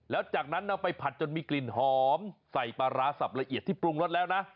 แล้วจากนั้นนำไปผัดจนมีกลิ่นหอมใส่ปลาร้าสับละเอียดที่ปรุงรสแล้วนะ